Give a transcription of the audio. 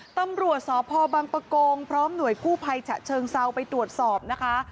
ตำรวจสพบังปะโกงพร้อมหน่วยกู้ภัยฉะเชิงเซาไปตรวจสอบนะคะ